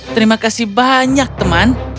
terima kasih banyak teman